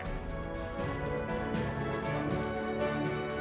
rumuh pihak tersebut menaruh kendaraan dahulu dari dar hiking pilihan mereka